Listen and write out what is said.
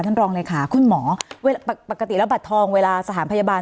รองเลยค่ะคุณหมอเวลาปกติแล้วบัตรทองเวลาสถานพยาบาล